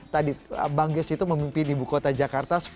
tadi bang geus itu memimpin ibu kota jakarta